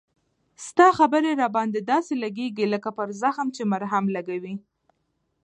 ستا خبري را باندي داسی لګیږي لکه پر زخم چې مرهم لګوې